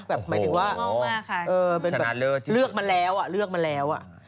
แบบหมายถึงว่าเลือกมาแล้ว